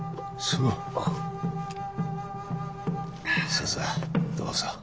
さあさあどうぞ。